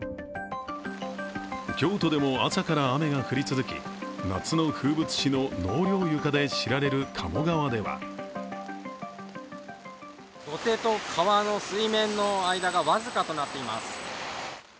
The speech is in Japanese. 京都でも朝から雨が降り続き夏の風物詩の納涼床で知られる鴨川では土手と川の水面の間が僅かとなっています。